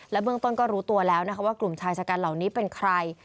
และเบื้องต้นก็รู้ตัวแล้วว่ากลุ่มชายจัดการเหล่านี้เป็นใคร